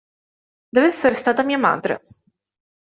Dev'essere stata mia madre.